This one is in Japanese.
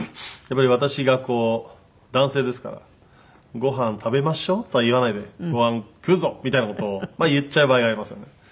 やっぱり私がこう男性ですから「ごはん食べましょう」とは言わないで「ごはん食うぞ！」みたいな事を言っちゃう場合がありますよね。